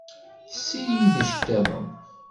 Tessirid iceṭṭiden.